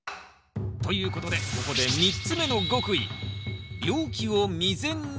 ということでここで３つ目の極意